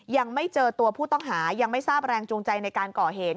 ยังไม่เจอตัวผู้ต้องหายังไม่ทราบแรงจูงใจในการก่อเหตุ